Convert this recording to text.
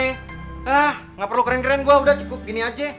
ah nggak perlu keren keren gue udah cukup gini aja